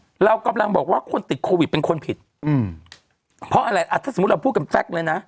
เรากำลังบอกว่าคนติดโควิดเป็นคนผิดอืมเพราะอะไรอ่ะถ้าสมมุติเราพูดกับแซ็กเลยนะ